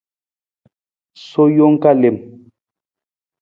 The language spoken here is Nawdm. Sowa jang ka lem.